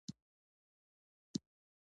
دا ناروغي د مقعرو عدسیو عینکو ته اړتیا لري.